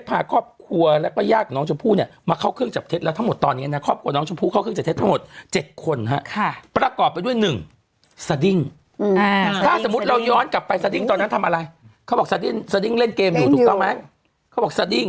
ถ้าสมมุติเราย้อนกลับไปซาดิ้งตอนนั้นทำอะไร